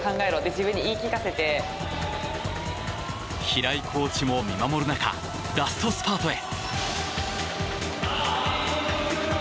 平井コーチも見守る中ラストスパートへ。